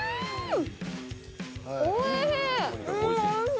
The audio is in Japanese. おいしい。